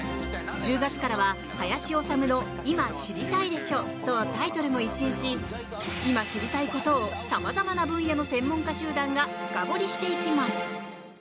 １０月からは「林修の今、知りたいでしょ！」とタイトルも一新し今知りたいことを様々な分野の専門家集団が深掘りしていきます！